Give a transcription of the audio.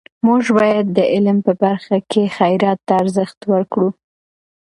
موږ باید د علم په برخه کې خیرات ته ارزښت ورکړو.